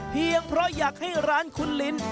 เพียงเพราะอยากให้ร้านคุณลิน